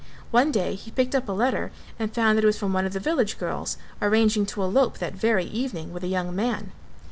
One day he picked up a letter and found that it was from one of the village girls arranging to elope that very evening with a young man.